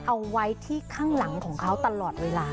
เอาไว้ที่ข้างหลังของเขาตลอดเวลา